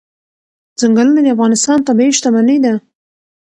ځنګلونه د افغانستان طبعي شتمني ده.